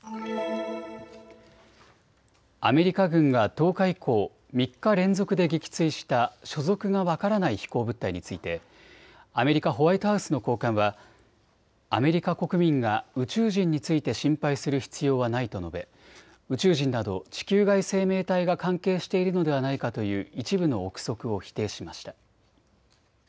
アメリカ軍が１０日以降、３日連続で撃墜した所属が分からない飛行物体についてアメリカ・ホワイトハウスの高官はアメリカ国民が宇宙人について心配する必要はないと述べ宇宙人など地球外生命体が関係しているのではないかという一部の臆測を否定しました。